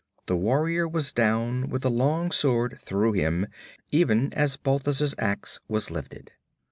The warrior was down with the long sword through him even as Balthus' ax was lifted.